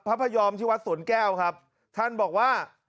พระพยอมที่วัดสวนแก้วครับท่านบอกว่า